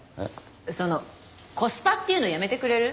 その「コスパ」っていうのやめてくれる？